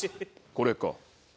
これか。